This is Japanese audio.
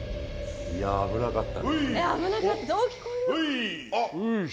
いや、危なかった。